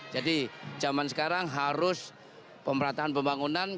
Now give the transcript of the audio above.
jadi zaman sekarang harus pemerataan pembangunan